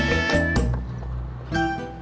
tati disuruh nyiram